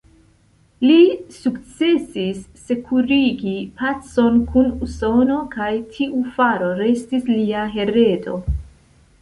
Li sukcesis sekurigi pacon kun Usono kaj tiu faro restis lia heredo.